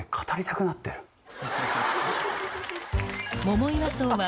桃岩荘は